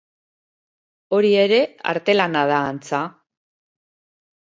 Hori ere artelana da, antza.